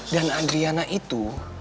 dan adriana itu